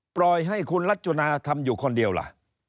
ปล่อยให้คุณรจนาศินทรีย์ทำอยู่คนเดียวล่ะ